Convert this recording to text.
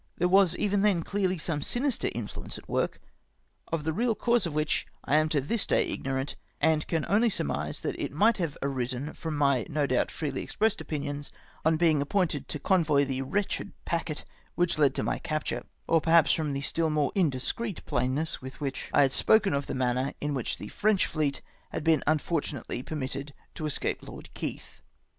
There was even then clearly some sinister influence at work, of the real cause for which I am to this day ignorant, and can only siu mise that it might have arisen from my, no doubt, freely expressed opi nions on being appointed to convoy the wretched packet which led to my capture ; or perhaps from the stiU more indiscreet plainness with which I had spoken of the manner in which the French fleet had been unfortu nately permitted to escape Lord Keith.